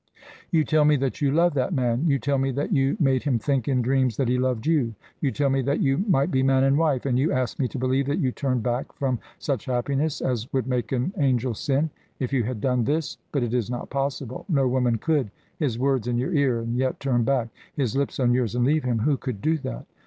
"You tell me that you love that man. You tell me that you made him think in dreams that he loved you. You tell me that you might be man and wife. And you ask me to believe that you turned back from such happiness as would make an angel sin? If you had done this but it is not possible no woman could! His words in your ear, and yet turn back? His lips on yours, and leave him? Who could do that?"